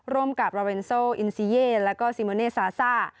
ร่วมกับราเวนโซอินซีเย่แล้วก็ซีโมเน่ซาซ่า